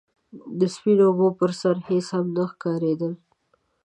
د سپينو اوبو پر سر هيڅ هم نه ښکارېدل.